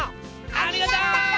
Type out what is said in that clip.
ありがとう！